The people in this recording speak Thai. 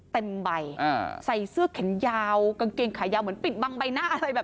เต็มใบอ่าใส่เสื้อแขนยาวกางเกงขายาวเหมือนปิดบังใบหน้าอะไรแบบ